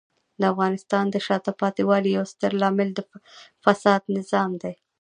د افغانستان د شاته پاتې والي یو ستر عامل د فسادي نظام دی.